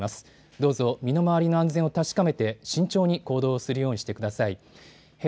どうぞ身の回りの安全を確かめて慎重に行動するようにしてください。